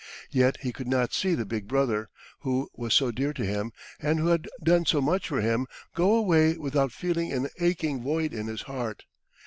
Yet he could not see the big brother, who was so dear to him, and who had done so much for him, go away without feeling an aching void in his heart.